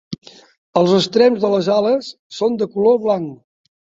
Els extrems de les ales són de color blanc.